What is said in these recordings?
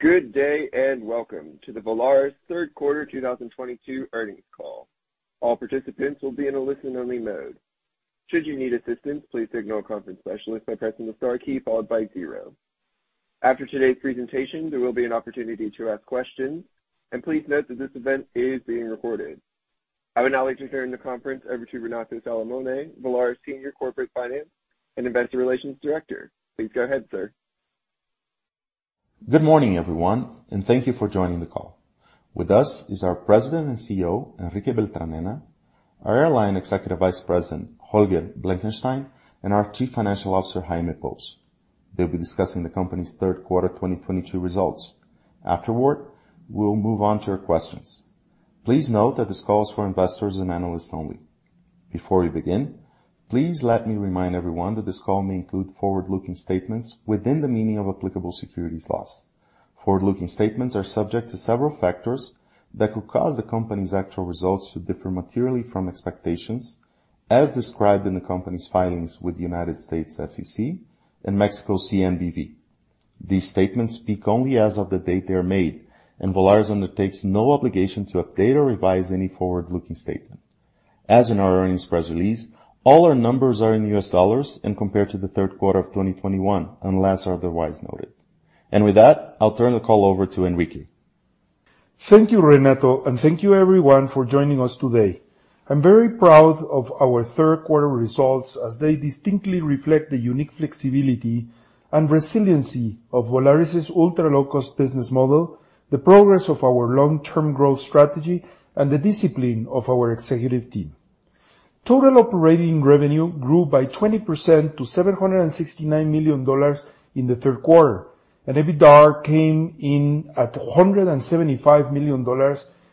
Good day, and welcome to the Volaris third quarter 2022 earnings call. All participants will be in a listen-only mode. Should you need assistance, please signal a conference specialist by pressing the star key followed by zero. After today's presentation, there will be an opportunity to ask questions. Please note that this event is being recorded. I would now like to turn the conference over to Renato Salomone, Volaris Senior Corporate Finance and Investor Relations Director. Please go ahead, sir. Good morning, everyone, and thank you for joining the call. With us is our President and CEO, Enrique Beltranena, our Airline Executive Vice President, Holger Blankenstein, and our Chief Financial Officer, Jaime Pous. They'll be discussing the company's third quarter 2022 results. Afterward, we'll move on to your questions. Please note that this call is for investors and analysts only. Before we begin, please let me remind everyone that this call may include forward-looking statements within the meaning of applicable securities laws. Forward-looking statements are subject to several factors that could cause the company's actual results to differ materially from expectations as described in the company's filings with the U.S. SEC and Mexico CNBV. These statements speak only as of the date they are made, and Volaris undertakes no obligation to update or revise any forward-looking statement. As in our earnings press release, all our numbers are in U.S. dollars and compared to the third quarter of 2021, unless otherwise noted. With that, I'll turn the call over to Enrique. Thank you, Renato, and thank you everyone for joining us today. I'm very proud of our third quarter results as they distinctly reflect the unique flexibility and resiliency of Volaris' ultra-low-cost business model, the progress of our long-term growth strategy, and the discipline of our executive team. Total operating revenue grew by 20% to $769 million in the third quarter, and EBITDA came in at $175 million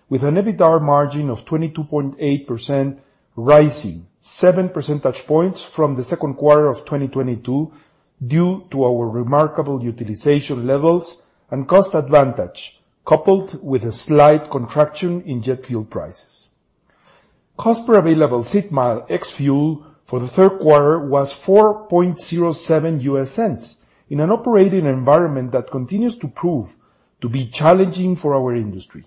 with an EBITDA margin of 22.8%, rising 7% points from the second quarter of 2022 due to our remarkable utilization levels and cost advantage, coupled with a slight contraction in jet fuel prices. Cost per available seat mile ex-fuel for the third quarter was $4.07 cents in an operating environment that continues to prove to be challenging for our industry.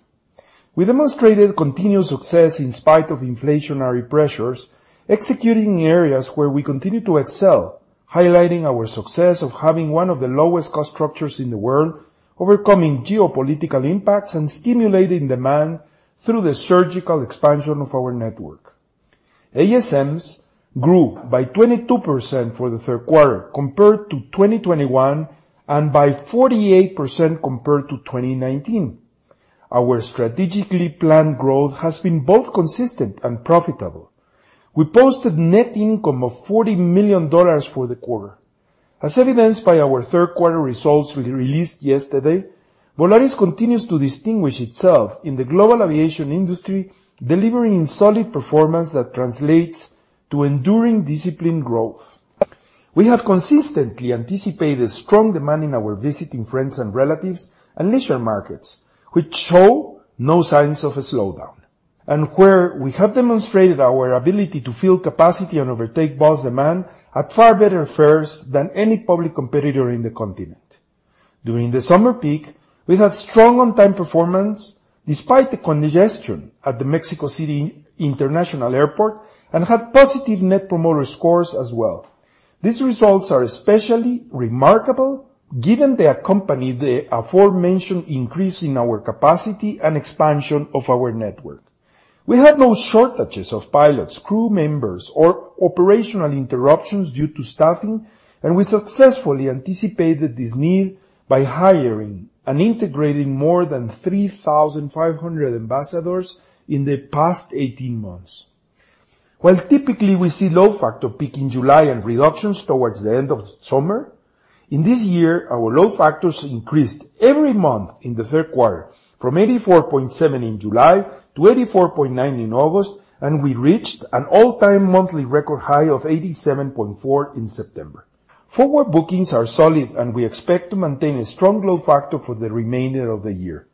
We demonstrated continued success in spite of inflationary pressures, executing in areas where we continue to excel, highlighting our success of having one of the lowest cost structures in the world, overcoming geopolitical impacts, and stimulating demand through the surgical expansion of our network. ASMs grew by 22% for the third quarter compared to 2021, and by 48% compared to 2019. Our strategically planned growth has been both consistent and profitable. We posted net income of $40 million for the quarter. As evidenced by our third quarter results we released yesterday, Volaris continues to distinguish itself in the global aviation industry, delivering solid performance that translates to enduring disciplined growth. We have consistently anticipated strong demand in our visiting friends and relatives and leisure markets, which show no signs of a slowdown, and where we have demonstrated our ability to fill capacity and overtake boost demand at far better fares than any public competitor in the continent. During the summer peak, we had strong on-time performance despite the congestion at the Mexico City International Airport and had positive net promoter scores as well. These results are especially remarkable given they accompany the aforementioned increase in our capacity and expansion of our network. We had no shortages of pilots, crew members, or operational interruptions due to staffing, and we successfully anticipated this need by hiring and integrating more than 3,500 ambassadors in the past 18 months. While typically we see load factor peak in July and reductions towards the end of summer, in this year, our load factors increased every month in the third quarter from 84.7% in July to 84.9% in August, and we reached an all-time monthly record high of 87.4% in September. Forward bookings are solid, and we expect to maintain a strong load factor for the remainder of the year.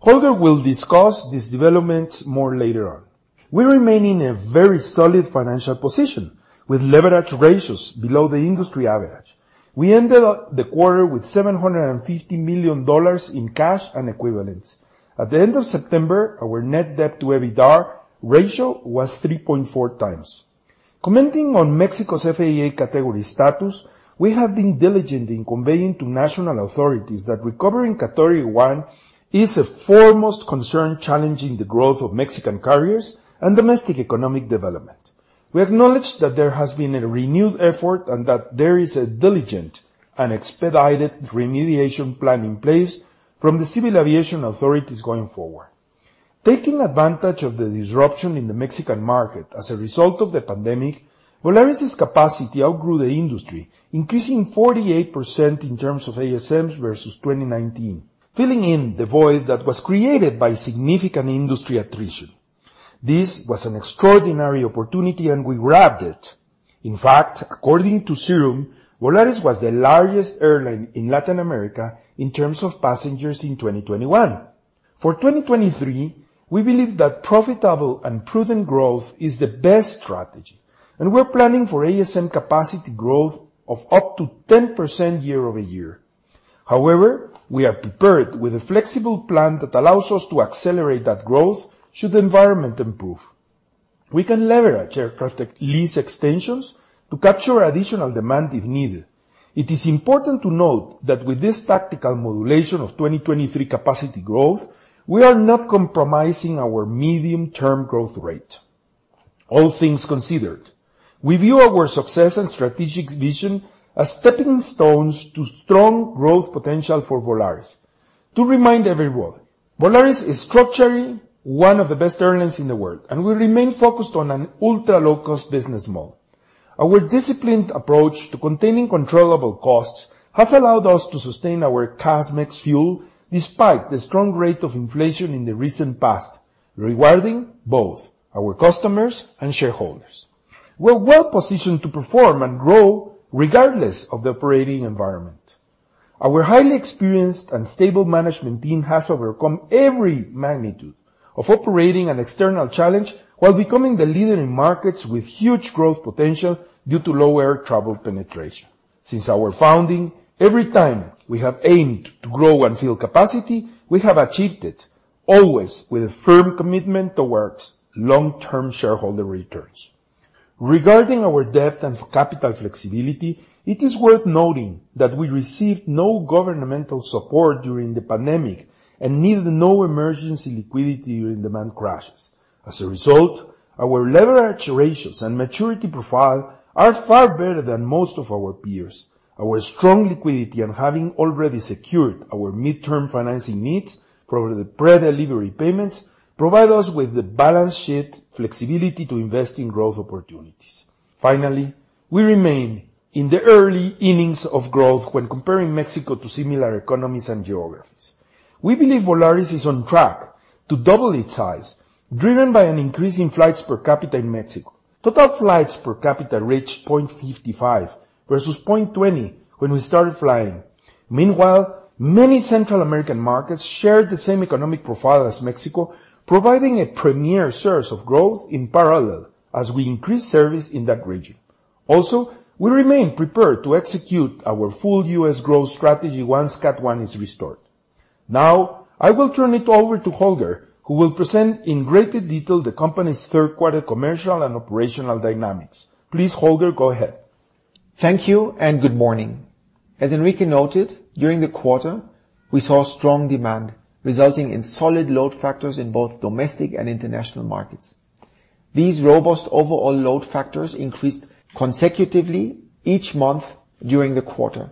Holger will discuss these developments more later on. We remain in a very solid financial position, with leverage ratios below the industry average. We ended the quarter with $750 million in cash and equivalents. At the end of September, our net debt to EBITDA ratio was 3.4x. Commenting on Mexico's FAA Category status, we have been diligent in conveying to national authorities that recovering Category one is a foremost concern challenging the growth of Mexican carriers and domestic economic development. We acknowledge that there has been a renewed effort and that there is a diligent and expedited remediation plan in place from the civil aviation authorities going forward. Taking advantage of the disruption in the Mexican market as a result of the pandemic, Volaris' capacity outgrew the industry, increasing 48% in terms of ASMs versus 2019, filling in the void that was created by significant industry attrition. This was an extraordinary opportunity, and we grabbed it. In fact, according to Cirium, Volaris was the largest airline in Latin America in terms of passengers in 2021. For 2023, we believe that profitable and prudent growth is the best strategy, and we're planning for ASM capacity growth of up to 10% year-over-year. However, we are prepared with a flexible plan that allows us to accelerate that growth should the environment improve. We can leverage aircraft lease extensions to capture additional demand if needed. It is important to note that with this tactical modulation of 2023 capacity growth, we are not compromising our medium-term growth rate. All things considered, we view our success and strategic vision as stepping stones to strong growth potential for Volaris. To remind everyone, Volaris is structurally one of the best airlines in the world, and we remain focused on an ultra-low-cost business model. Our disciplined approach to containing controllable costs has allowed us to sustain our CASM ex fuel despite the strong rate of inflation in the recent past, rewarding both our customers and shareholders. We're well-positioned to perform and grow regardless of the operating environment. Our highly experienced and stable management team has overcome every operating and external challenge while becoming the leader in markets with huge growth potential due to low air travel penetration. Since our founding, every time we have aimed to grow and fill capacity, we have achieved it, always with a firm commitment towards long-term shareholder returns. Regarding our debt and capital flexibility, it is worth noting that we received no governmental support during the pandemic and needed no emergency liquidity during demand crashes. As a result, our leverage ratios and maturity profile are far better than most of our peers. Our strong liquidity and having already secured our midterm financing needs for the pre-delivery payments provide us with the balance sheet flexibility to invest in growth opportunities. Finally, we remain in the early innings of growth when comparing Mexico to similar economies and geographies. We believe Volaris is on track to double its size, driven by an increase in flights per capita in Mexico. Total flights per capita reached 0.55 versus 0.20 when we started flying. Meanwhile, many Central American markets share the same economic profile as Mexico, providing a premier source of growth in parallel as we increase service in that region. Also, we remain prepared to execute our full U.S. growth strategy once Category oneis restored. Now, I will turn it over to Holger, who will present in greater detail the company's third quarter commercial and operational dynamics. Please, Holger, go ahead. Thank you, and good morning. As Enrique noted, during the quarter, we saw strong demand resulting in solid load factors in both domestic and international markets. These robust overall load factors increased consecutively each month during the quarter.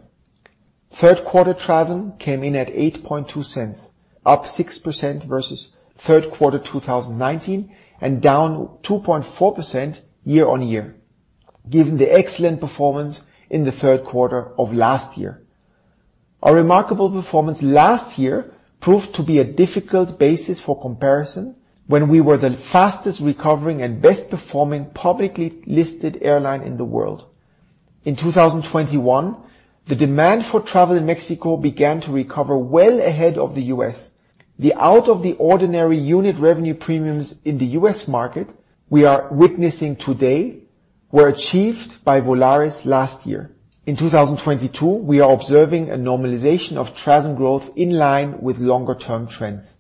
Third quarter TRASM came in at $0.082, up 6% versus third quarter 2019, and down 2.4% year-on-year, given the excellent performance in the third quarter of last year. Our remarkable performance last year proved to be a difficult basis for comparison when we were the fastest recovering and best-performing publicly listed airline in the world. In 2021, the demand for travel in Mexico began to recover well ahead of the U.S. The out-of-the-ordinary unit revenue premiums in the U.S. market we are witnessing today were achieved by Volaris last year. In 2022, we are observing a normalization of TRASM growth in line with longer-term trends.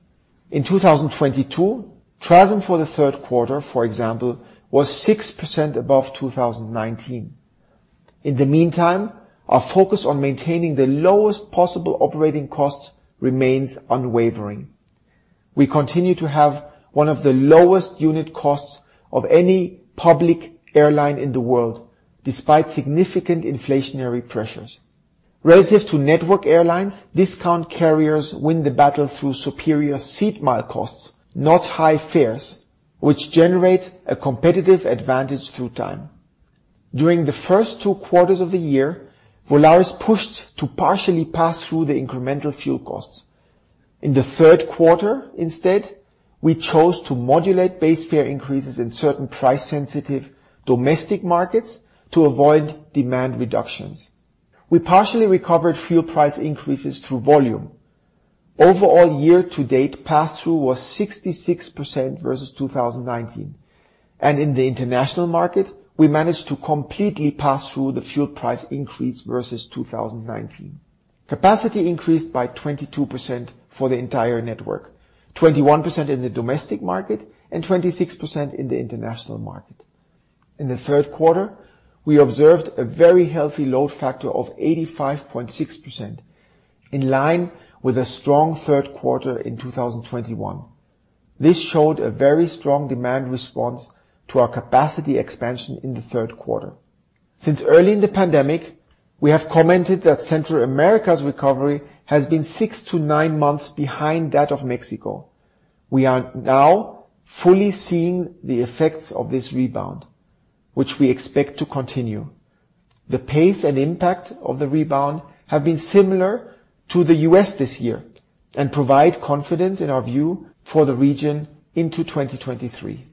In 2022, TRASM for the third quarter, for example, was 6% above 2019. In the meantime, our focus on maintaining the lowest possible operating costs remains unwavering. We continue to have one of the lowest unit costs of any public airline in the world despite significant inflationary pressures. Relative to network airlines, discount carriers win the battle through superior seat mile costs, not high fares, which generate a competitive advantage through time. During the first two quarters of the year, Volaris pushed to partially pass through the incremental fuel costs. In the third quarter, instead, we chose to modulate base fare increases in certain price-sensitive domestic markets to avoid demand reductions. We partially recovered fuel price increases through volume. Overall, year-to-date pass-through was 66% versus 2019, and in the international market, we managed to completely pass through the fuel price increase versus 2019. Capacity increased by 22% for the entire network, 21% in the domestic market, and 26% in the international market. In the third quarter, we observed a very healthy load factor of 85.6% in line with a strong third quarter in 2021. This showed a very strong demand response to our capacity expansion in the third quarter. Since early in the pandemic, we have commented that Central America's recovery has been six-nine months behind that of Mexico. We are now fully seeing the effects of this rebound, which we expect to continue. The pace and impact of the rebound have been similar to the U.S. this year and provide confidence in our view for the region into 2023.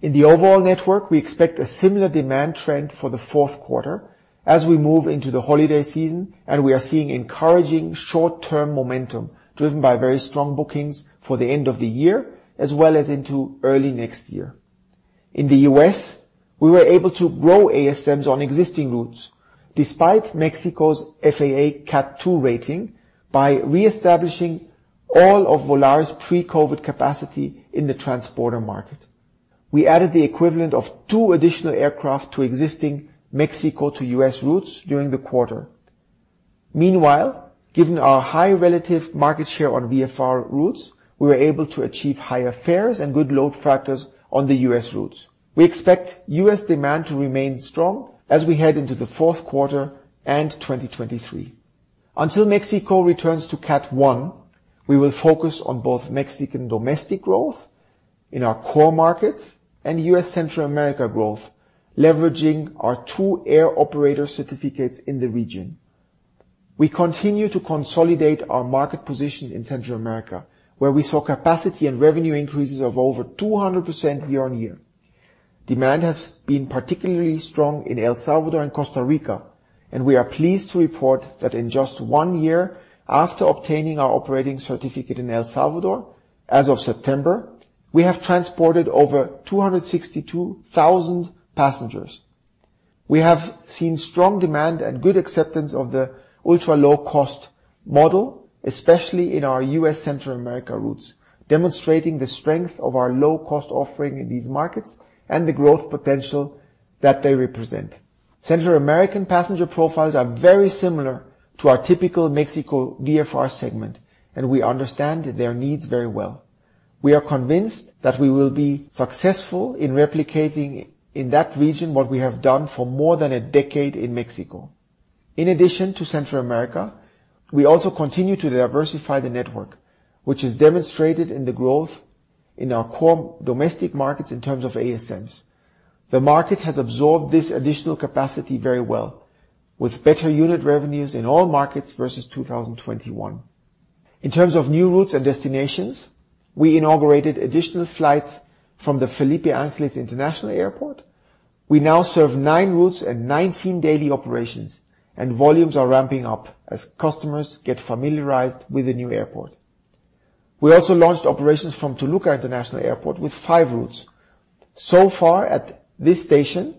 In the overall network, we expect a similar demand trend for the fourth quarter as we move into the holiday season, and we are seeing encouraging short-term momentum driven by very strong bookings for the end of the year as well as into early next year. In the U.S., we were able to grow ASMs on existing routes despite Mexico's FAA Category two rating by reestablishing all of Volaris pre-COVID capacity in the transborder market. We added the equivalent of two additional aircraft to existing Mexico to U.S. routes during the quarter. Meanwhile, given our high relative market share on VFR routes, we were able to achieve higher fares and good load factors on the U.S. routes. We expect US demand to remain strong as we head into the fourth quarter and 2023. Until Mexico returns to Category one, we will focus on both Mexican domestic growth in our core markets and US Central America growth, leveraging our two air operator certificates in the region. We continue to consolidate our market position in Central America, where we saw capacity and revenue increases of over 200% year-on-year. Demand has been particularly strong in El Salvador and Costa Rica, and we are pleased to report that in just 1 year after obtaining our operating certificate in El Salvador, as of September, we have transported over 262,000 passengers. We have seen strong demand and good acceptance of the ultra-low-cost model, especially in our U.S. Central America routes, demonstrating the strength of our low-cost offering in these markets and the growth potential that they represent. Central American passenger profiles are very similar to our typical Mexico VFR segment, and we understand their needs very well. We are convinced that we will be successful in replicating in that region what we have done for more than a decade in Mexico. In addition to Central America, we also continue to diversify the network, which is demonstrated in the growth in our core domestic markets in terms of ASMs. The market has absorbed this additional capacity very well, with better unit revenues in all markets versus 2021. In terms of new routes and destinations, we inaugurated additional flights from the Felipe Ángeles International Airport. We now serve nine routes and 19 daily operations, and volumes are ramping up as customers get familiarized with the new airport. We also launched operations from Toluca International Airport with 5 routes. So far at this station,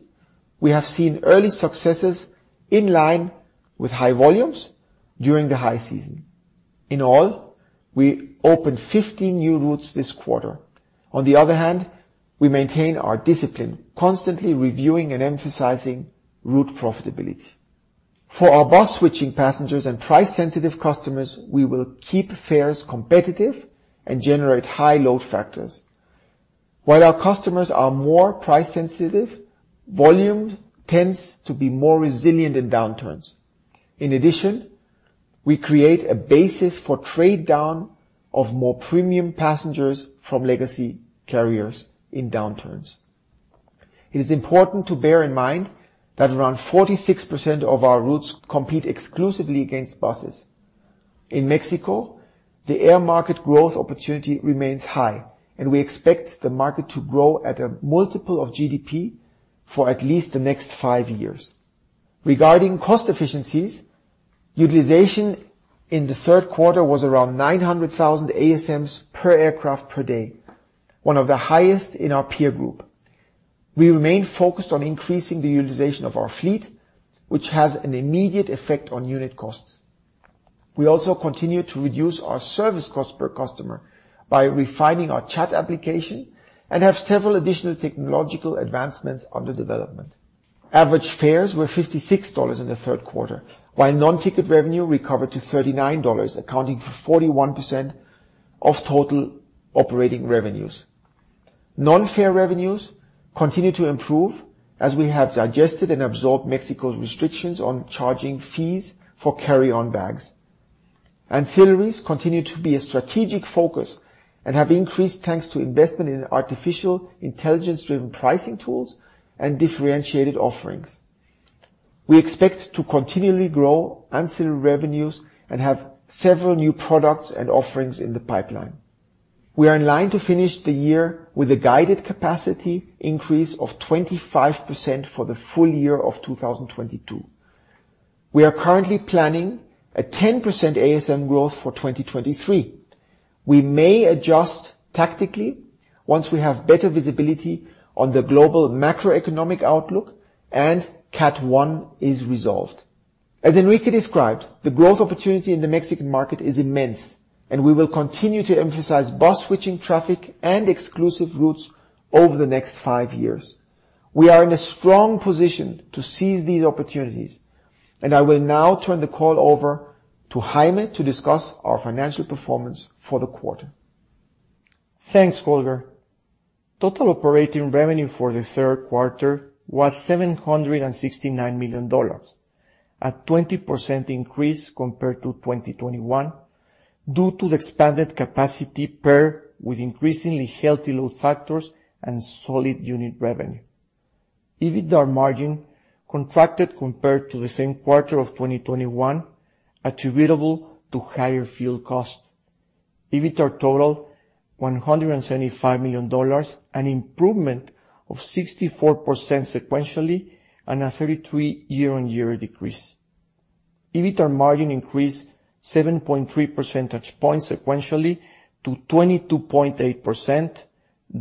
we have seen early successes in line with high volumes during the high season. In all, we opened 50 new routes this quarter. On the other hand, we maintain our discipline, constantly reviewing and emphasizing route profitability. For our bus-switching passengers and price-sensitive customers, we will keep fares competitive and generate high load factors. While our customers are more price-sensitive, volume tends to be more resilient in downturns. In addition, we create a basis for trade down of more premium passengers from legacy carriers in downturns. It is important to bear in mind that around 46% of our routes compete exclusively against buses. In Mexico, the air market growth opportunity remains high, and we expect the market to grow at a multiple of GDP for at least the next five years. Regarding cost efficiencies, utilization in the third quarter was around 900,000 ASMs per aircraft per day, one of the highest in our peer group. We remain focused on increasing the utilization of our fleet, which has an immediate effect on unit costs. We also continue to reduce our service cost per customer by refining our chat application and have several additional technological advancements under development. Average fares were $56 in the third quarter, while non-ticket revenue recovered to $39, accounting for 41% of total operating revenues. Non-fare revenues continue to improve as we have digested and absorbed Mexico's restrictions on charging fees for carry-on bags. Ancillaries continue to be a strategic focus and have increased thanks to investment in artificial intelligence-driven pricing tools and differentiated offerings. We expect to continually grow ancillary revenues and have several new products and offerings in the pipeline. We are in line to finish the year with a guided capacity increase of 25% for the full-year of 2022. We are currently planning a 10% ASM growth for 2023. We may adjust tactically once we have better visibility on the global macroeconomic outlook and Category one is resolved. As Enrique described, the growth opportunity in the Mexican market is immense, and we will continue to emphasize bus-switching traffic and exclusive routes over the next five years. We are in a strong position to seize these opportunities, and I will now turn the call over to Jaime to discuss our financial performance for the quarter. Thanks, Holger. Total operating revenue for the third quarter was $769 million, a 20% increase compared to 2021 due to the expanded capacity paired with increasingly healthy load factors and solid unit revenue. EBITDA margin contracted compared to the same quarter of 2021, attributable to higher fuel cost. EBITDA totaled $175 million, an improvement of 64% sequentially and a 33% year-on-year decrease. EBITDA margin increased 7.3%points sequentially to 22.8%,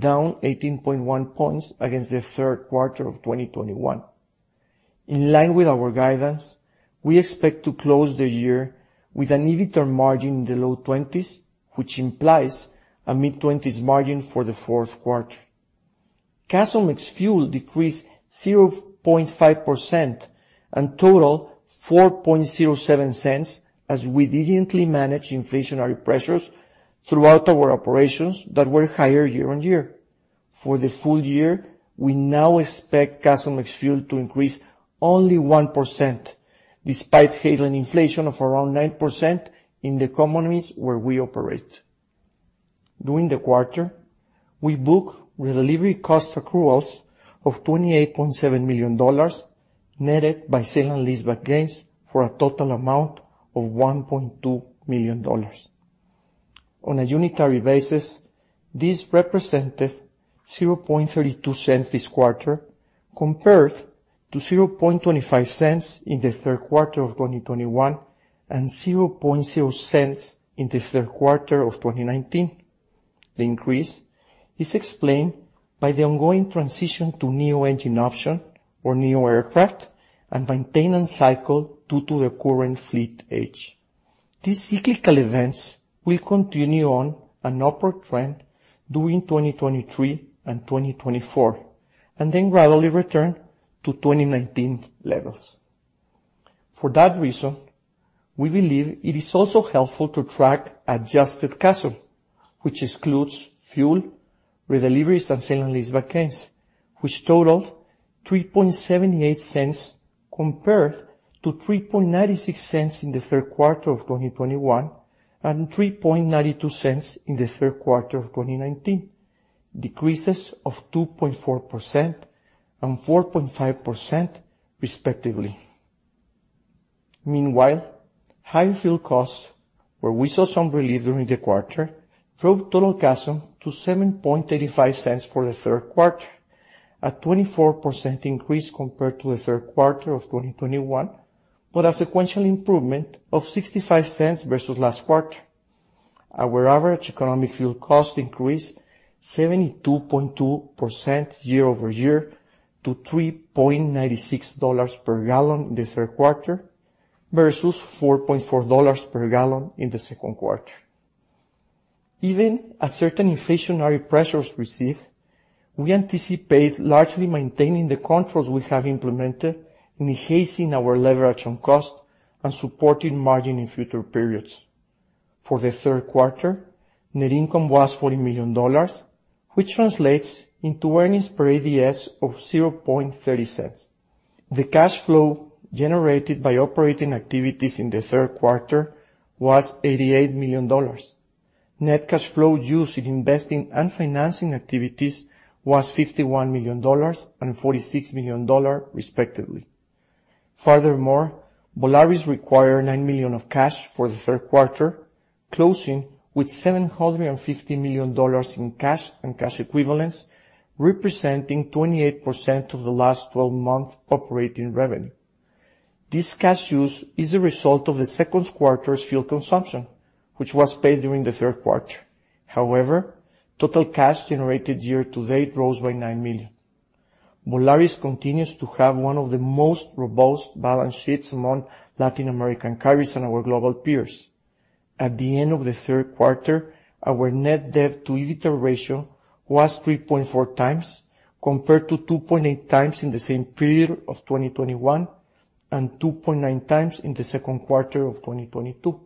down 18.1 points against the third quarter of 2021. In line with our guidance, we expect to close the year with an EBITDA margin in the low 20s%, which implies a mid-20s% margin for the fourth quarter. CASM ex-fuel decreased 0.5% and totaled $0.0407 as we diligently managed inflationary pressures throughout our operations that were higher year-on-year. For the full-year, we now expect CASM ex-fuel to increase only 1% despite headline inflation of around 9% in the economies where we operate. During the quarter, we booked delivery cost accruals of $28.7 million, netted by sale and leaseback gains for a total amount of $1.2 million. On a unitary basis, this represented $0.0032 this quarter compared to $0.0025 in the third quarter of 2021, and $0.00 in the third quarter of 2019. The increase is explained by the ongoing transition to neo engine option or neo aircraft and maintenance cycle due to the current fleet age. These cyclical events will continue on an upward trend during 2023 and 2024, and then gradually return to 2019 levels. For that reason, we believe it is also helpful to track adjusted CASM, which excludes fuel, redeliveries, and sale and leaseback gains, which totaled $0.0378 compared to $0.0396 in the third quarter of 2021, and $0.0392 in the third quarter of 2019. Decreases of 2.4% and 4.5% respectively. Meanwhile, higher fuel costs, where we saw some relief during the quarter, drove total CASM to $0.0785 for the third quarter, a 24% increase compared to the third quarter of 2021, but a sequential improvement of $0.65 versus last quarter. Our average economic fuel cost increased 72.2% year-over-year to $3.96 per gal in the third quarter, versus $4.4 per gal in the second quarter. Even as certain inflationary pressures recede, we anticipate largely maintaining the controls we have implemented in enhancing our leverage on cost and supporting margin in future periods. For the third quarter, net income was $40 million, which translates into earnings per ADS of $0.30. The cash flow generated by operating activities in the third quarter was $88 million. Net cash flow used in investing and financing activities was $51 million and $46 million respectively. Furthermore, Volaris required $9 million of cash for the third quarter, closing with $750 million in cash and cash equivalents, representing 28% of the last twelve months operating revenue. This cash use is a result of the second quarter's fuel consumption, which was paid during the third quarter. However, total cash generated year to date rose by $9 million. Volaris continues to have one of the most robust balance sheets among Latin American carriers and our global peers. At the end of the third quarter, our net debt to EBITDA ratio was 3.4x compared to 2.8x in the same period of 2021, and 2.9x in the second quarter of 2022.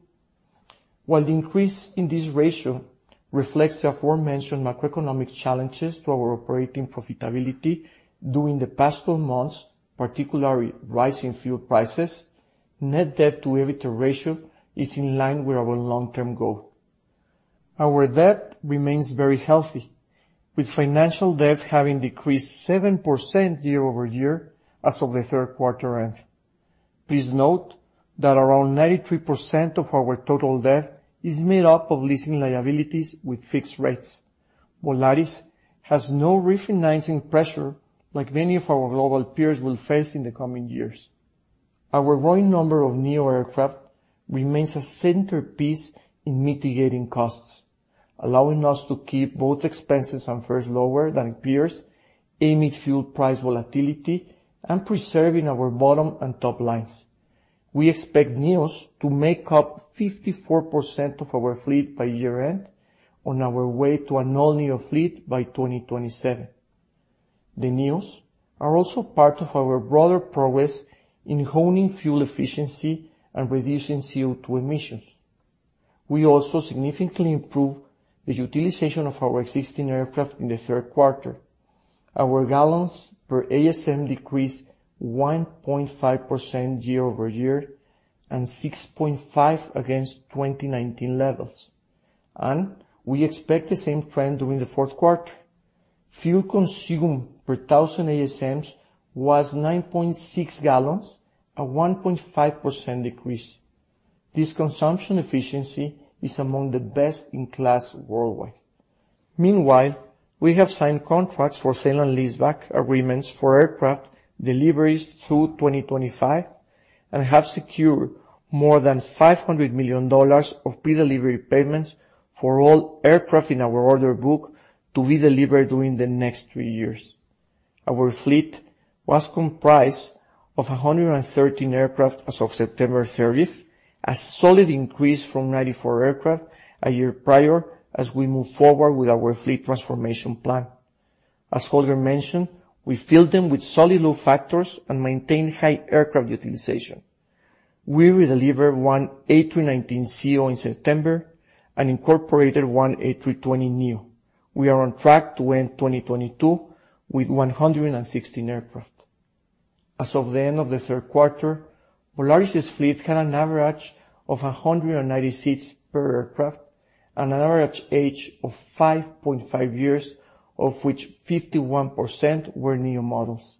While the increase in this ratio reflects the aforementioned macroeconomic challenges to our operating profitability during the past four months, particularly rise in fuel prices, net debt to EBITDA ratio is in line with our long-term goal. Our debt remains very healthy, with financial debt having decreased 7% year-over-year as of the third quarter end. Please note that around 93% of our total debt is made up of leasing liabilities with fixed rates. Volaris has no refinancing pressure like many of our global peers will face in the coming years. Our growing number of neo-aircraft remains a centerpiece in mitigating costs, allowing us to keep both expenses and fares lower than peers amid fuel price volatility and preserving our bottom and top lines. We expect neos to make up 54% of our fleet by year-end on our way to an all-neo fleet by 2027. The neos are also part of our broader progress in honing fuel efficiency and reducing CO2 emissions. We also significantly improved the utilization of our existing aircraft in the third quarter. Our gals per ASM decreased 1.5% year-over-year and 6.5 against 2019 levels. We expect the same trend during the fourth quarter. Fuel consumed per thousand ASMs was 9.6 gal, a 1.5% decrease. This consumption efficiency is among the best-in-class worldwide. Meanwhile, we have signed contracts for sale and leaseback agreements for aircraft deliveries through 2025, and have secured more than $500 million of pre-delivery payments for all aircraft in our order book to be delivered during the next three years. Our fleet was comprised of 113 aircraft as of September 30, a solid increase from 94 aircraft a year prior, as we move forward with our fleet transformation plan. As Holger mentioned, we filled them with solid load factors and maintained high aircraft utilization. We redelivered 1 A319ceo in September and incorporated 1 A320neo. We are on track to end 2022 with 116 aircraft. As of the end of the third quarter, Volaris' fleet had an average of 190 seats per aircraft and an average age of 5.5 years, of which 51% were neo models.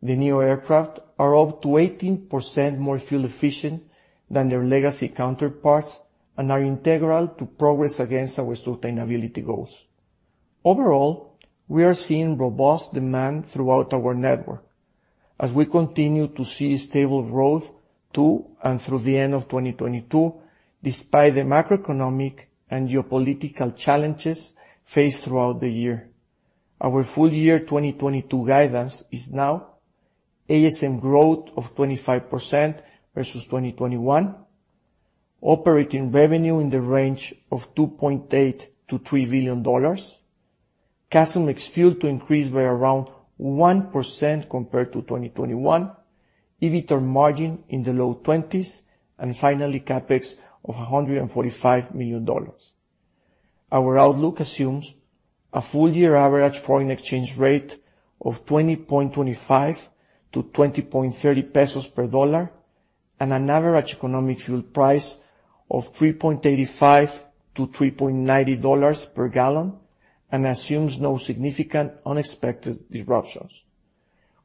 The neo aircraft are up to 18% more fuel efficient than their legacy counterparts and are integral to progress against our sustainability goals. Overall, we are seeing robust demand throughout our network as we continue to see stable growth to and through the end of 2022, despite the macroeconomic and geopolitical challenges faced throughout the year. Our full-year 2022 guidance is now ASMs growth of 25% versus 2021, operating revenue in the range of $2.8 billion-$3 billion. CASM ex-fuel to increase by around 1% compared to 2021, EBITDA margin in the low 20s, and finally, CapEx of $145 million. Our outlook assumes a full-year average foreign exchange rate of 20.25-20.30 pesos per dollar and an average economic fuel price of $3.85-$3.90 per gal, and assumes no significant unexpected disruptions.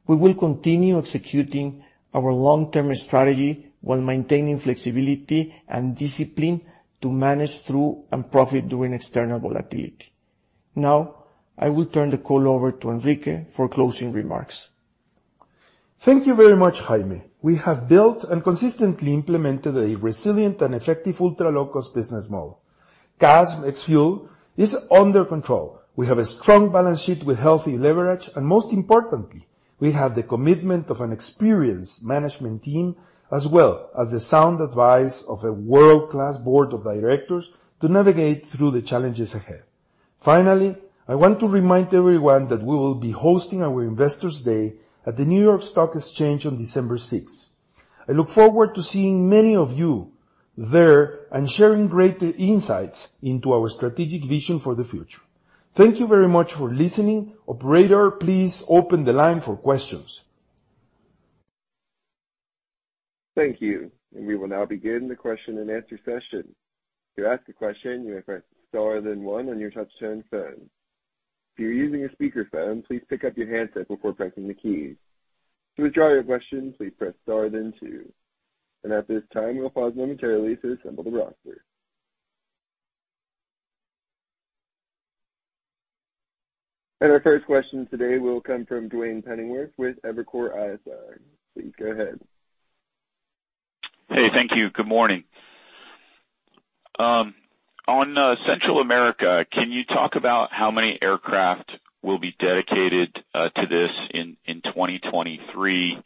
We will continue executing our long-term strategy while maintaining flexibility and discipline to manage through and profit during external volatility. Now, I will turn the call over to Enrique for closing remarks. Thank you very much, Jaime. We have built and consistently implemented a resilient and effective ultra-low-cost business model. CASM ex-fuel is under control. We have a strong balance sheet with healthy leverage, and most importantly, we have the commitment of an experienced management team, as well as the sound advice of a world-class board of directors to navigate through the challenges ahead. Finally, I want to remind everyone that we will be hosting our Investors Day at the New York Stock Exchange on December 6. I look forward to seeing many of you there and sharing great insights into our strategic vision for the future. Thank you very much for listening. Operator, please open the line for questions. Thank you. We will now begin the question-and-answer session. To ask a question, you may press star then one on your touch-tone phone. If you're using a speakerphone, please pick up your handset before pressing the key. To withdraw your question, please press star then two. At this time, we'll pause momentarily to assemble the roster. Our first question today will come from Duane Pfennigwerth with Evercore ISI. Please go ahead. Hey, thank you. Good morning. On Central America, can you talk about how many aircraft will be dedicated to this in 2023?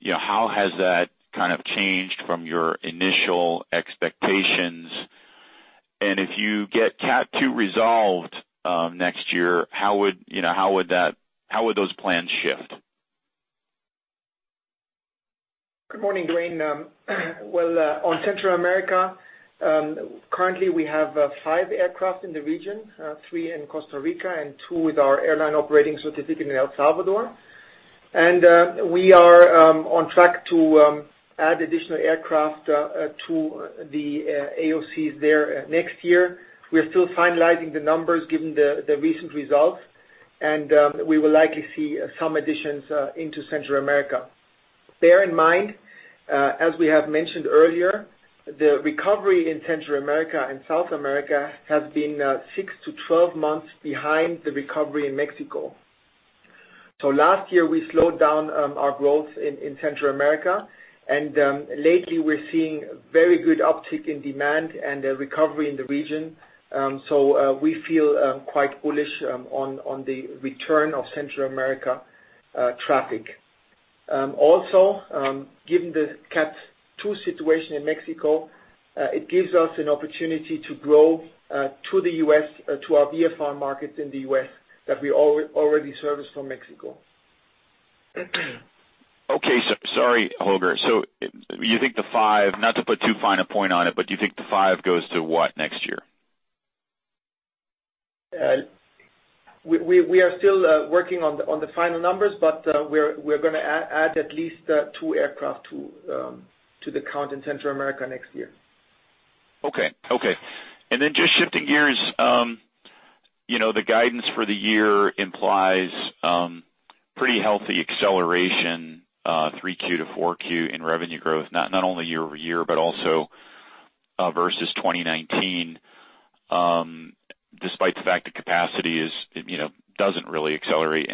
You know, how has that kind of changed from your initial expectations? If you get CAT two resolved next year, you know, how would that. How would those plans shift? Good morning, Duane. Well, on Central America, currently we have five aircraft in the region, three in Costa Rica andtwo with our airline operating certificate in El Salvador. We are on track to add additional aircraft to the AOC there next year. We are still finalizing the numbers given the recent results, and we will likely see some additions into Central America. Bear in mind, as we have mentioned earlier, the recovery in Central America and South America has been 6-12 months behind the recovery in Mexico. Last year, we slowed down our growth in Central America. Lately we're seeing very good uptick in demand and a recovery in the region. We feel quite bullish on the return of Central America traffic. Also, given the Category two situation in Mexico, it gives us an opportunity to grow to the US to our VFR markets in the US that we already service from Mexico. Okay. Sorry, Holger. You think the five. Not to put too fine a point on it, but do you think the five goes to what next year? We are still working on the final numbers, but we're gonna add at least two aircraft to the count in Central America next year. Okay. Okay. Just shifting gears, you know, the guidance for the year implies pretty healthy acceleration 3Q - 4Q in revenue growth, not only year-over-year, but also versus 2019, despite the fact the capacity is, you know, doesn't really accelerate.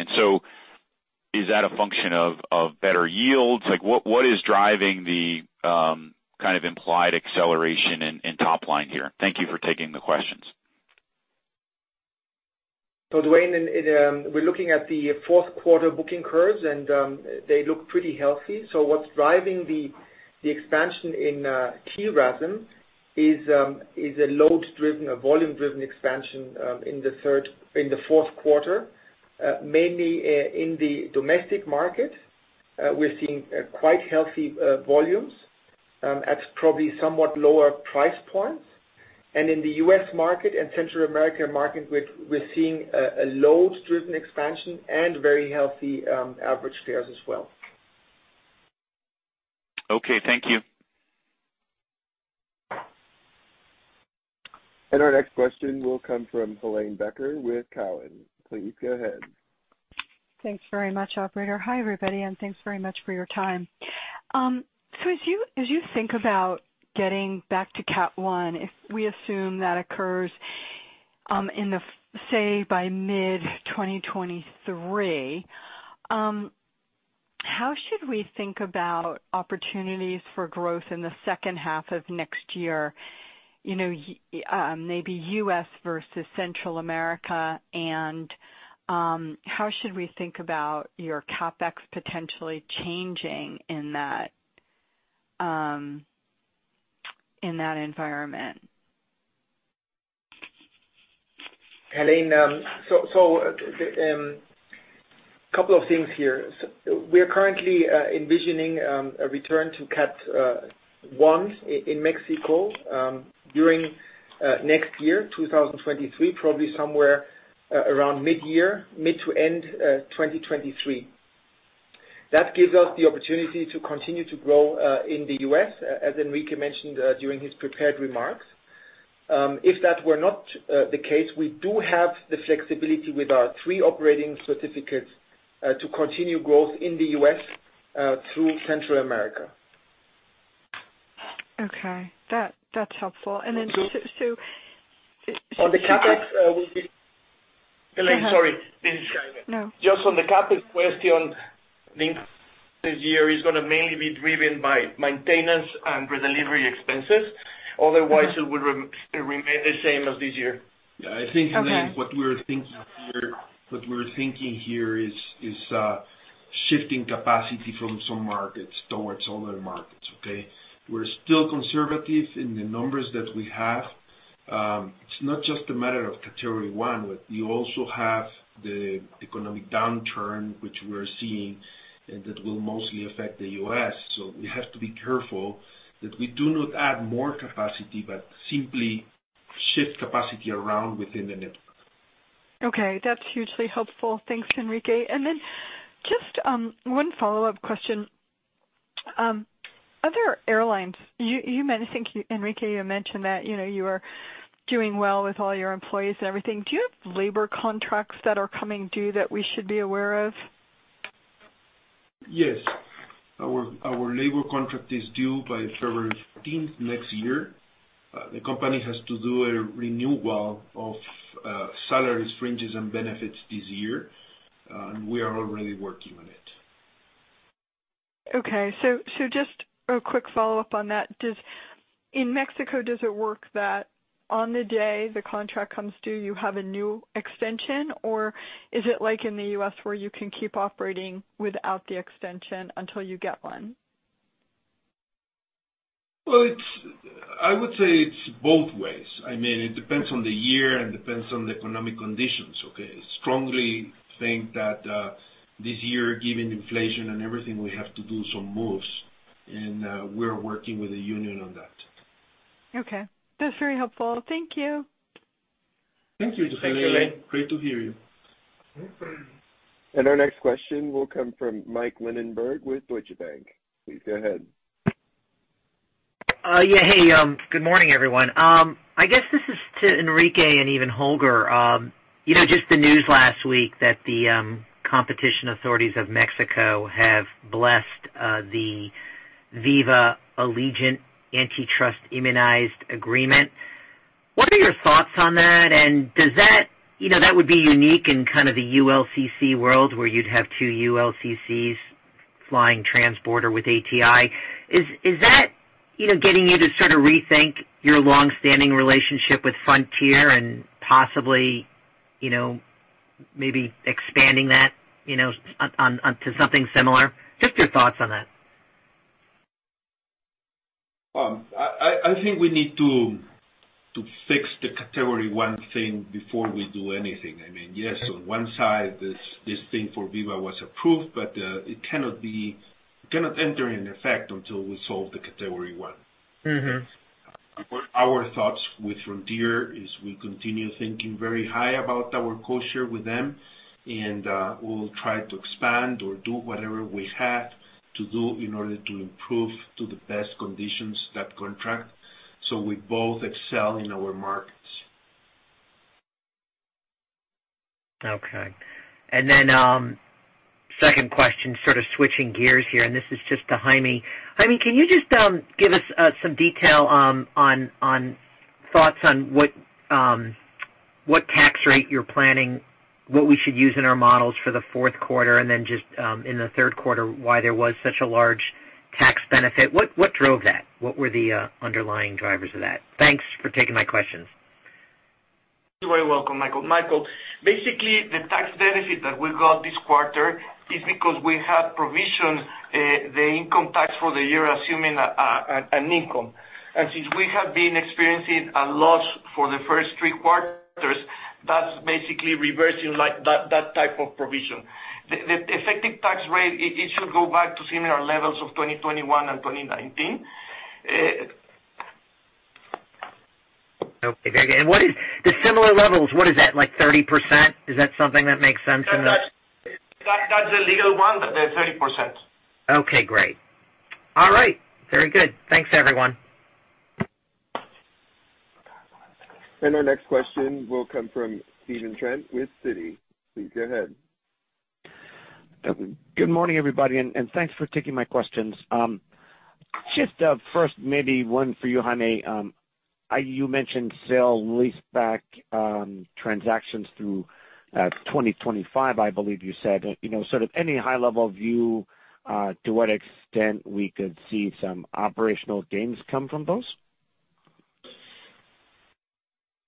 Is that a function of better yields? Like, what is driving the kind of implied acceleration in top line here? Thank you for taking the questions. Duane, we're looking at the fourth quarter booking curves, and they look pretty healthy. What's driving the expansion in Q4 RASM is a load-driven or volume-driven expansion in the fourth quarter, mainly in the domestic market. We're seeing quite healthy volumes at probably somewhat lower price points. In the US market and Central America market, we're seeing a load-driven expansion and very healthy average fares as well. Okay, thank you. Our next question will come from Helane Becker with Cowen. Please go ahead. Thanks very much, operator. Hi, everybody, and thanks very much for your time. So as you think about getting back to Cat one, if we assume that occurs, say, by mid-2023, how should we think about opportunities for growth in the second half of next year, you know, maybe US versus Central America? How should we think about your CapEx potentially changing in that environment? Helane, couple of things here. We are currently envisioning a return to Category one in Mexico during next year, 2023, probably somewhere around mid-year to end-2023. That gives us the opportunity to continue to grow in the U.S., as Enrique mentioned during his prepared remarks. If that were not the case, we do have the flexibility with ourt hree operating certificates to continue growth in the U.S. through Central America. Okay. That's helpful. On the CapEx, Helane, sorry. This is Jaime. No. Just on the CapEx question, the increase this year is gonna mainly be driven by maintenance and redelivery expenses. Otherwise, it will remain the same as this year. I think, Helane, what we're thinking here is shifting capacity from some markets towards other markets, okay? We're still conservative in the numbers that we have. It's not just a matter of Category one, but you also have the economic downturn, which we're seeing, and that will mostly affect the U.S. We have to be careful that we do not add more capacity, but simply shift capacity around within the network. Okay, that's hugely helpful. Thanks, Enrique. Just one follow-up question. Other airlines, I think, Enrique, you mentioned that, you know, you are doing well with all your employees and everything. Do you have labor contracts that are coming due that we should be aware of? Yes. Our labor contract is due by February 15th next year. The company has to do a renewal of salaries, fringes, and benefits this year, and we are already working on it. Okay. Just a quick follow-up on that. In Mexico, does it work that on the day the contract comes due, you have a new extension? Or is it like in the U.S. where you can keep operating without the extension until you get one? Well, it's both ways. I mean, it depends on the year and depends on the economic conditions, okay? I strongly think that this year, given inflation and everything, we have to do some moves, and we are working with the union on that. Okay. That's very helpful. Thank you. Thank you, Helane. Thank you, Helane. Great to hear you. Our next question will come from Michael Linenberg with Deutsche Bank. Please go ahead. Yeah. Hey, good morning, everyone. I guess this is to Enrique and even Holger. You know, just the news last week that the competition authorities of Mexico have blessed the Viva-Allegiant Antitrust Immunity Agreement. What are your thoughts on that? Does that, you know, that would be unique in kind of the ULCC world where you'd have two ULCCs flying transborder with ATI. Is that, you know, getting you to sort of rethink your long-standing relationship with Frontier and possibly maybe expanding that on to something similar? Just your thoughts on that. I think we need to fix the Category one thing before we do anything. I mean, yes, on one side, this thing for Viva was approved, but it cannot enter in effect until we solve the Category one. Mm-hmm. Our thoughts with Frontier is we continue thinking very high about our codeshare with them, and we'll try to expand or do whatever we have to do in order to improve to the best conditions that contract, so we both excel in our markets. Okay. Second question, sort of switching gears here, this is just to Jaime. Jaime, can you just give us some detail on thoughts on what tax rate you're planning, what we should use in our models for the fourth quarter, and then just in the third quarter, why there was such a large tax benefit? What drove that? What were the underlying drivers of that? Thanks for taking my questions. You're very welcome, Michael. Michael, basically the tax benefit that we got this quarter is because we have provisioned the income tax for the year, assuming an income. Since we have been experiencing a loss for the first three quarters, that's basically reversing that type of provision. The effective tax rate, it should go back to similar levels of 2021 and 2019. Okay. What is the similar levels, what is that? Like 30%? Is that something that makes sense in the- That, that's a legal one, but they're 30%. Okay, great. All right, very good. Thanks, everyone. Our next question will come from Stephen Trent with Citi. Please go ahead. Good morning, everybody, and thanks for taking my questions. Just first maybe one for you, Jaime. You mentioned sale-leaseback transactions through 2025, I believe you said. You know, sort of any high-level view to what extent we could see some operational gains come from those?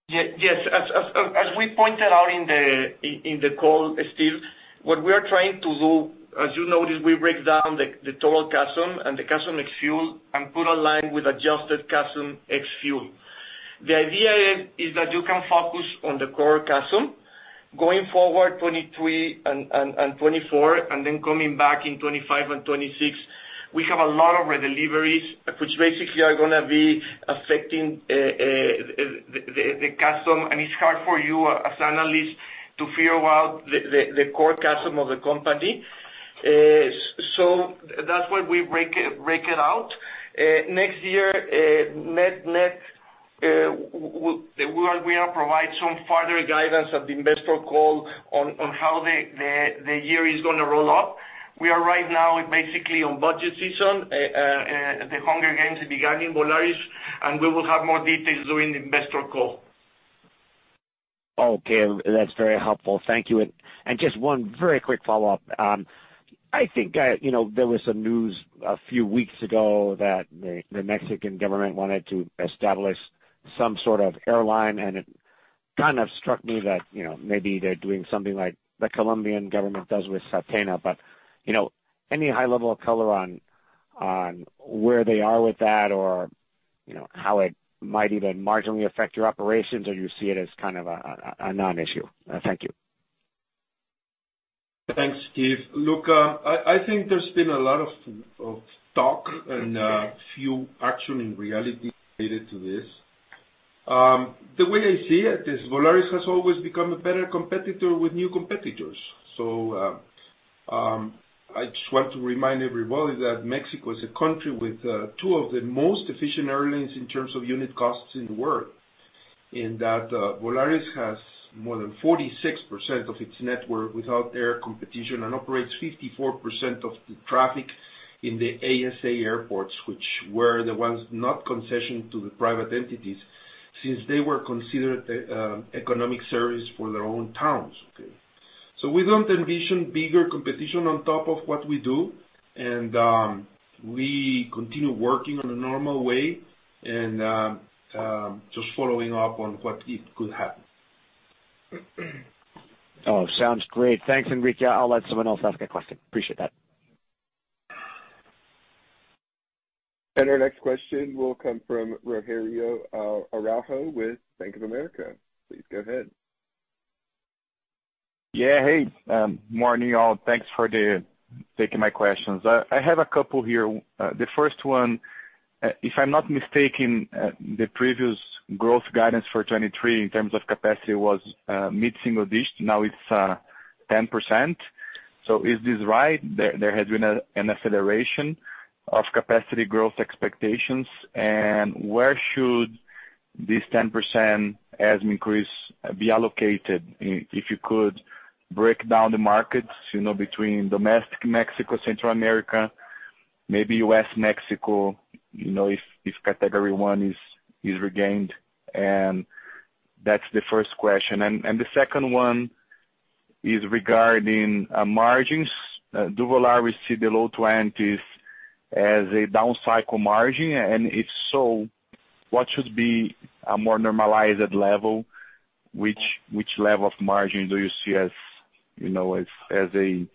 Yes. As we pointed out in the call, Steven, what we are trying to do, as you noticed, we break down the total CASM and the CASM ex-fuel and put in line with adjusted CASM ex-fuel. The idea is that you can focus on the core CASM. Going forward, 2023 and 2024, and then coming back in 2025 and 2026, we have a lot of redeliveries, which basically are gonna be affecting the CASM, and it's hard for you as analysts to figure out the core CASM of the company. So that's why we break it out. Next year, net, we provide some further guidance at the investor call on how the year is gonna roll out. We are right now basically on budget season. The Hunger Games began in Volaris, and we will have more details during the investor call. Okay. That's very helpful. Thank you. Just one very quick follow-up. I think, you know, there was some news a few weeks ago that the Mexican government wanted to establish some sort of airline, and it kind of struck me that, you know, maybe they're doing something like the Colombian government does with Satena. But, you know, any high level of color on where they are with that or, you know, how it might even marginally affect your operations, or you see it as kind of a non-issue? Thank you. Thanks, Steven. Look, I think there's been a lot of talk and few action in reality related to this. The way I see it is Volaris has always become a better competitor with new competitors. I just want to remind everybody that Mexico is a country with two of the most efficient airlines in terms of unit costs in the world, and that Volaris has more than 46% of its network without air competition and operates 54% of the traffic in the ASA airports, which were the ones not concessioned to the private entities since they were considered economic service for their own towns. We don't envision bigger competition on top of what we do, and we continue working on a normal way and just following up on what it could happen. Oh, sounds great. Thanks, Enrique. I'll let someone else ask a question. Appreciate that. Our next question will come from Rogério Araujo with Bank of America. Please go ahead. Yeah. Hey, morning y'all. Thanks for taking my questions. I have a couple here. The first one, if I'm not mistaken, the previous growth guidance for 2023 in terms of capacity was mid-single digit. Now it's 10%. Is this right? There has been an acceleration of capacity growth expectations. And where should this 10% increase be allocated, if you could break down the markets, you know, between domestic Mexico, Central America, maybe US-Mexico, you know, if Category one is regained? And that's the first question. And the second one is regarding margins. Do Volaris see the low 20s as a down cycle margin? And if so, what should be a more normalized level? Which level of margin do you see as, you know, what do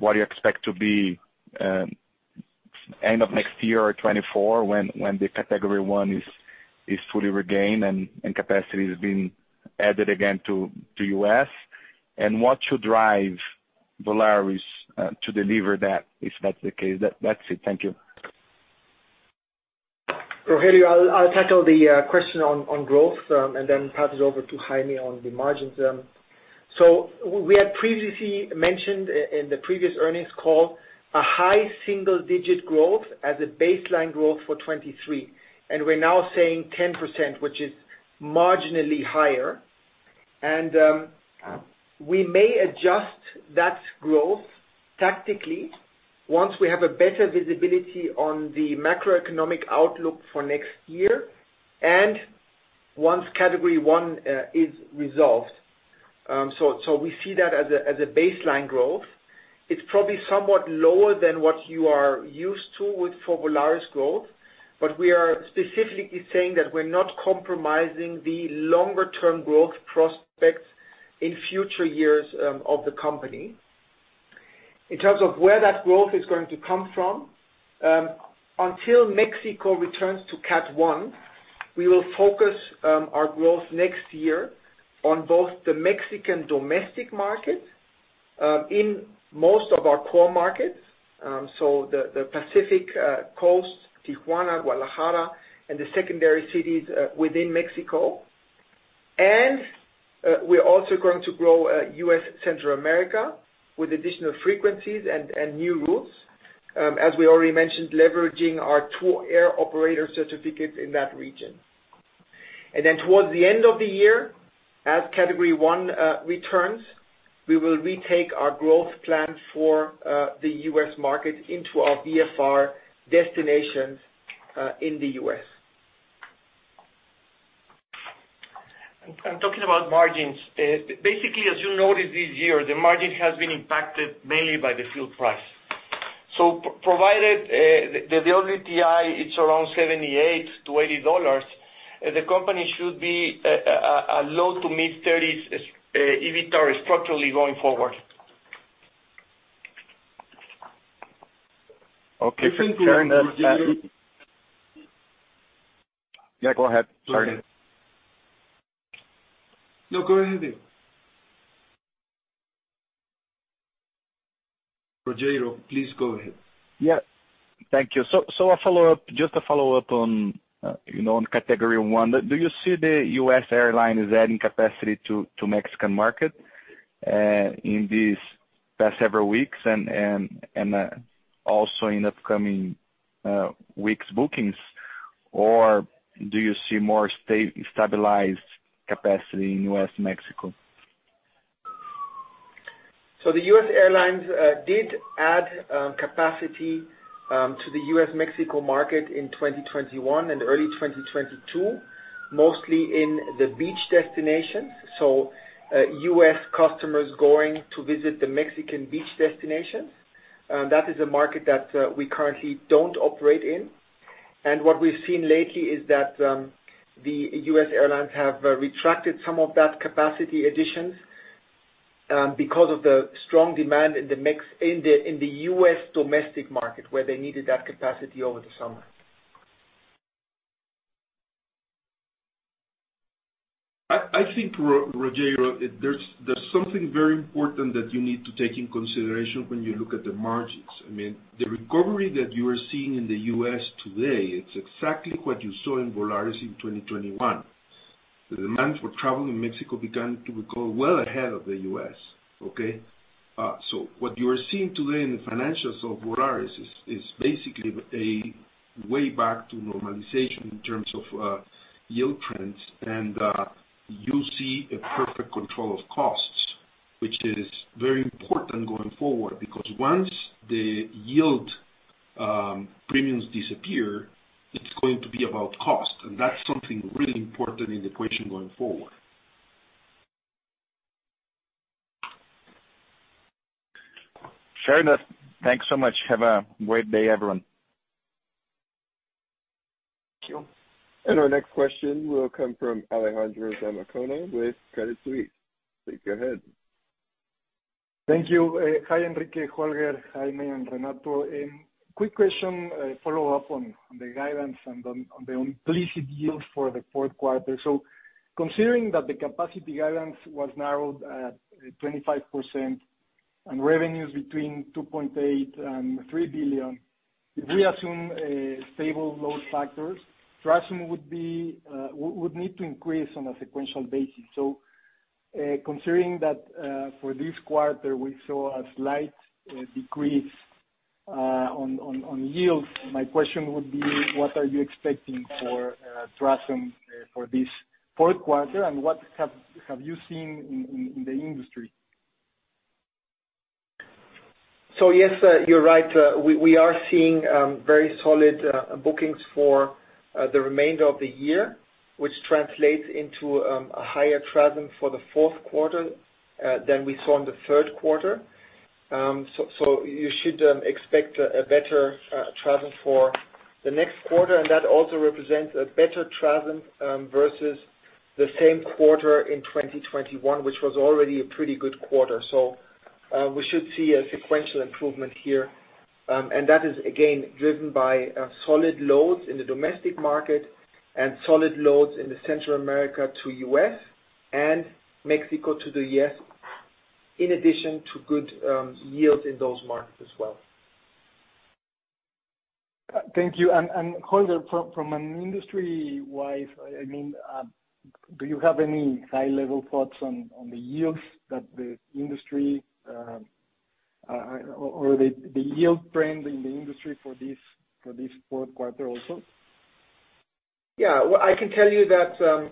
you expect to be end of next year or 2024 when the Category one is fully regained and capacity is being added again to U.S.? What should drive Volaris to deliver that, if that's the case? That's it. Thank you. Rogelio, I'll tackle the question on growth and then pass it over to Jaime on the margins. We had previously mentioned in the previous earnings call a high single digit growth as a baseline growth for 2023, and we're now saying 10%, which is marginally higher. We may adjust that growth tactically once we have a better visibility on the macroeconomic outlook for next year and once Category one is resolved. We see that as a baseline growth. It's probably somewhat lower than what you are used to for Volaris growth, but we are specifically saying that we're not compromising the longer term growth prospects in future years of the company. In terms of where that growth is going to come from, until Mexico returns to Category one, we will focus our growth next year on both the Mexican domestic market in most of our core markets, so the Pacific coast, Tijuana, Guadalajara, and the secondary cities within Mexico. We're also going to grow U.S. Central America with additional frequencies and new routes, as we already mentioned, leveraging our two air operator certificates in that region. Then towards the end of the year, as Category one returns, we will retake our growth plan for the U.S. market into our VFR destinations in the U.S. Talking about margins, basically, as you noticed this year, the margin has been impacted mainly by the fuel price. Provided the WTI, it's around $78-$80, the company should be a low- to mid-30s% EBITDAR structurally going forward. Okay. I think, Rogerio. Yeah, go ahead. Sorry. No, go ahead, Dave. Rogerio, please go ahead. Thank you. A follow-up on, you know, Category one. Do you see the U.S. airlines adding capacity to the Mexican market in these past several weeks and also in upcoming weeks' bookings? Or do you see more stabilized capacity in U.S.-Mexico? The U.S. airlines did add capacity to the U.S.-Mexico market in 2021 and early 2022, mostly in the beach destinations, so U.S. customers going to visit the Mexican beach destinations. That is a market that we currently don't operate in. What we've seen lately is that the U.S. airlines have retracted some of that capacity additions because of the strong demand in the U.S. domestic market, where they needed that capacity over the summer. I think, Rogério, there's something very important that you need to take into consideration when you look at the margins. I mean, the recovery that you are seeing in the U.S. today, it's exactly what you saw in Volaris in 2021. The demand for travel in Mexico began to recover well ahead of the U.S. Okay? So what you are seeing today in the financials of Volaris is basically a way back to normalization in terms of yield trends, and you see a perfect control of costs, which is very important going forward, because once the yield premiums disappear, it's going to be about cost, and that's something really important in the equation going forward. Fair enough. Thanks so much. Have a great day, everyone. Thank you. Our next question will come from Alejandro Zamacona with Credit Suisse. Please go ahead. Thank you. Hi, Enrique, Holger, Jaime, and Renato. Quick question, follow-up on the guidance and on the implicit yield for the fourth quarter. Considering that the capacity guidance was narrowed at 25% and revenues between $2.8 billion-$3 billion, if we assume stable load factors, TRASM would need to increase on a sequential basis. Considering that for this quarter, we saw a slight decrease in yields, my question would be, what are you expecting for TRASM for this fourth quarter, and what have you seen in the industry? Yes, you're right. We are seeing very solid bookings for the remainder of the year, which translates into a higher TRASM for the fourth quarter than we saw in the third quarter. You should expect a better TRASM for the next quarter, and that also represents a better TRASM versus the same quarter in 2021, which was already a pretty good quarter. We should see a sequential improvement here. That is again driven by a solid loads in the domestic market and solid loads in the Central America to U.S. and Mexico to the U.S., in addition to good yields in those markets as well. Thank you. Holger, from an industry-wide, I mean, do you have any high-level thoughts on the yields that the industry or the yield trend in the industry for this fourth quarter also? Yeah. Well, I can tell you that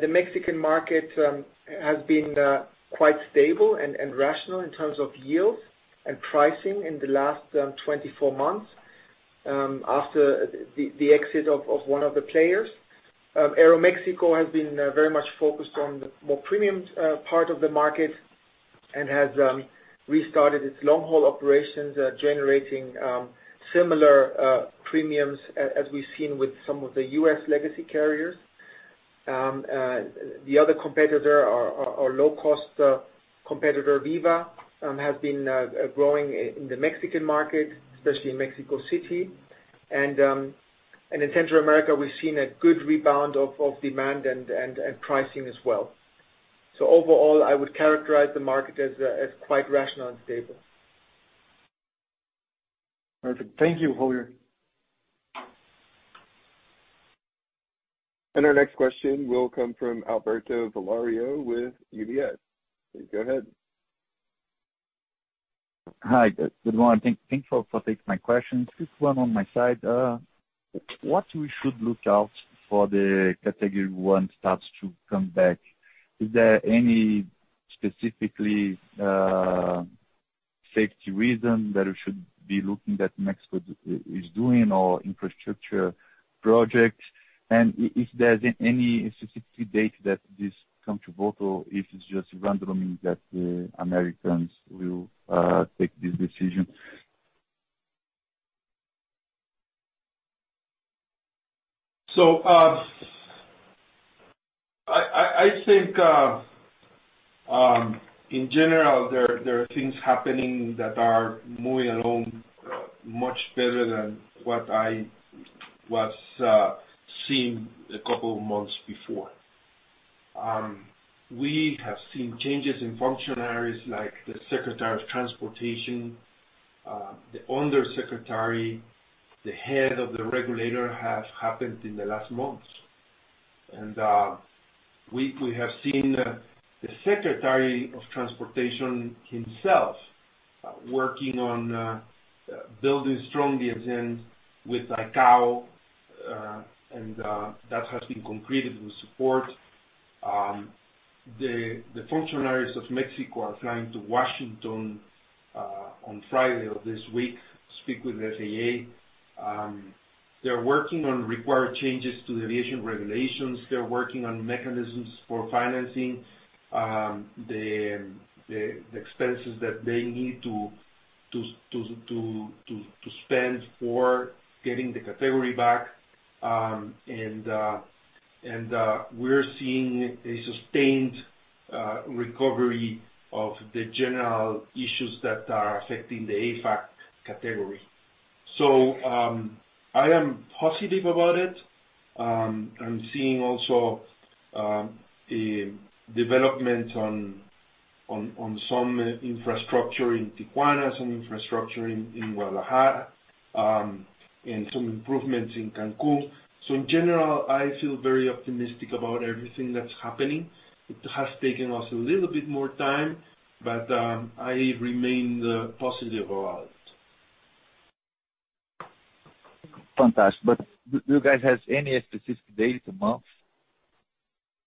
the Mexican market has been quite stable and rational in terms of yields and pricing in the last 24 months after the exit of one of the players. Aeroméxico has been very much focused on the more premium part of the market and has restarted its long-haul operations generating similar premiums as we've seen with some of the U.S. legacy carriers. The other competitor or low-cost competitor, Viva, has been growing in the Mexican market, especially in Mexico City. In Central America, we've seen a good rebound of demand and pricing as well. Overall, I would characterize the market as quite rational and stable. Perfect. Thank you, Holger. Our next question will come from Alberto Valerio with UBS. Please go ahead. Hi. Good morning. Thank you for taking my questions. Just one on my side. What we should look out for the Category one starts to come back, is there any specific safety reason that we should be looking that Mexico is doing or infrastructure projects? If there's any specific date that this comes to a vote, or if it's just randomly that the Americans will take this decision. I think in general there are things happening that are moving along much better than what I was seeing a couple of months before. We have seen changes in functionaries like the Secretary of Transportation, the Undersecretary, the head of the regulator have happened in the last months. We have seen the Secretary of Transportation himself working on building strong lines in with ICAO, and that has been complemented with support. The functionaries of Mexico are flying to Washington on Friday of this week to speak with the FAA. They're working on required changes to the aviation regulations. They're working on mechanisms for financing the expenses that they need to spend for getting the category back. We're seeing a sustained recovery of the general issues that are affecting the AFAC category. I am positive about it. I'm seeing also development on some infrastructure in Tijuana, some infrastructure in Guadalajara, and some improvements in Cancún. In general, I feel very optimistic about everything that's happening. It has taken us a little bit more time, but I remain positive about it. Fantastic. Do you guys have any specific date, a month,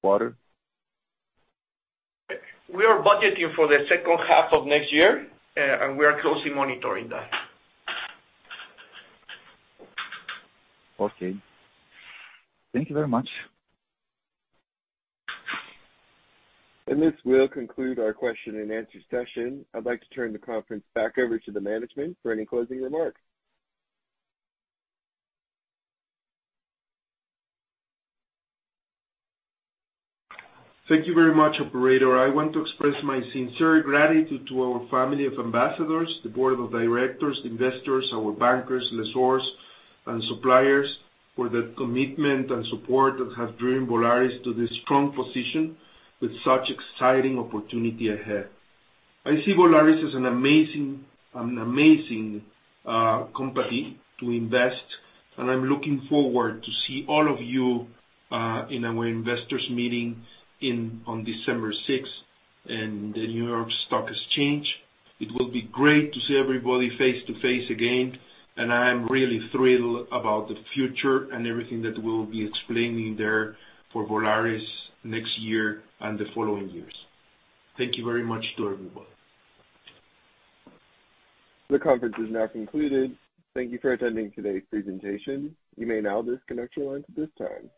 quarter? We are budgeting for the second half of next year and we are closely monitoring that. Okay. Thank you very much. This will conclude our question and answer session. I'd like to turn the conference back over to the management for any closing remarks. Thank you very much, operator. I want to express my sincere gratitude to our family of ambassadors, the board of directors, investors, our bankers, lessors, and suppliers for their commitment and support that have driven Volaris to this strong position with such exciting opportunity ahead. I see Volaris as an amazing company to invest, and I'm looking forward to see all of you in our investors meeting on December 6th in the New York Stock Exchange. It will be great to see everybody face-to-face again, and I am really thrilled about the future and everything that we'll be explaining there for Volaris next year and the following years. Thank you very much to everyone. The conference is now concluded. Thank you for attending today's presentation. You may now disconnect your lines at this time.